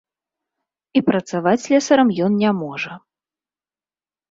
І працаваць слесарам ён не можа.